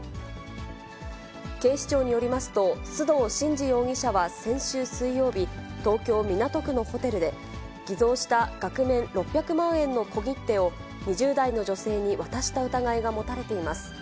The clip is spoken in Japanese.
警視庁によりますと、須藤慎司容疑者は先週水曜日、東京・港区のホテルで、偽造した額面６００万円の小切手を、２０代の女性に渡した疑いが持たれています。